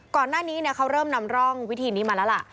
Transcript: ก่อนหน้านี้เขาเริ่มนำร่องวิธีนี้มาแล้วล่ะ